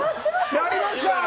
やりました！